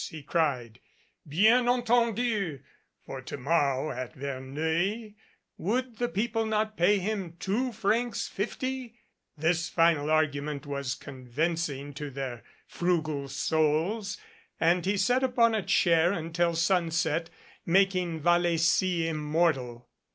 he cried. "Bien entendu!" For to morrow at Verneuil would the people 172 PERE GUEGOU'S ROSES not pay him two francs fifty? This final argument was convincing to their frugal souls, and he sat upon a chair until sunset making Vallecy immortal.